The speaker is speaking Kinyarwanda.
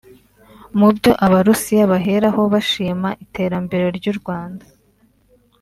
Mubyo Abarusiya baheraho bashima iterambere ry’u Rwanda